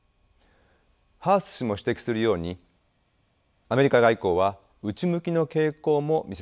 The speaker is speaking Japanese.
ハース氏も指摘するようにアメリカ外交は内向きの傾向も見せています。